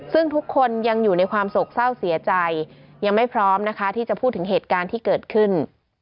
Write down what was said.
ซึ่งทุกคนยังอยู่ในความโศกเศร้าเสียใจยังไม่พร้อมนะคะที่จะพูดถึงเหตุการณ์ที่เกิดขึ้น